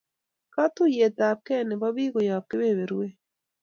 Katuyet ab kee nebo bik koyap kebeberwek